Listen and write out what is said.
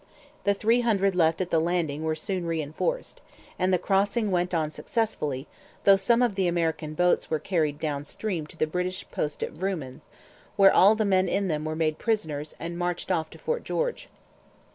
The three hundred left at the landing were soon reinforced, and the crossing went on successfully, though some of the American boats were carried down stream to the British post at Vrooman's, where all the men in them were made prisoners and marched off to Fort George.